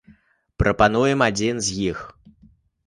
Прапануем адзін з іх.